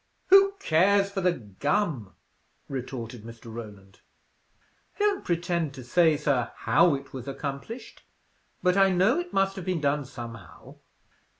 "Who cares for the gum!" retorted Mr. Roland. "I don't pretend to say, sir, how it was accomplished, but I know it must have been done somehow.